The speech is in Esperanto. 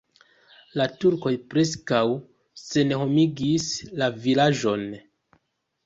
La turkoj preskaŭ senhomigis la vilaĝon.